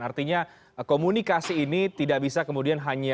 artinya komunikasi ini tidak bisa kemudian hanya